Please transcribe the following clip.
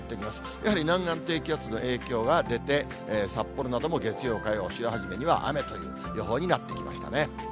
やはり南岸低気圧の影響が出て、札幌なども月曜、火曜、週初めには雨という予報になってきましたね。